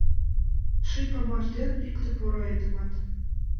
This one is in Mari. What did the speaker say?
Ший памаш ден икте поро айдемат.